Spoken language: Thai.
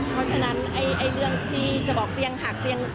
เพราะฉะนั้นเรื่องที่จะบอกเตียงหักเตียง